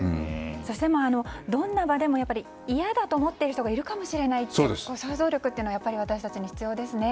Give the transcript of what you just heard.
そしてどんな場でも嫌だと思っている人がいるかもしれないという想像力がやっぱり私たちに必要ですね。